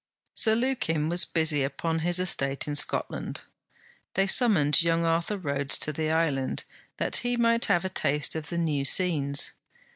Sir Lukin was busy upon his estate in Scotland. They summoned young Arthur Rhodes to the island, that he might have a taste of the new scenes.